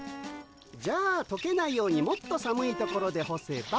じゃあとけないようにもっと寒いところでほせば。